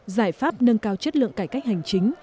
giải pháp nâng cao chất lượng cải cách hành chính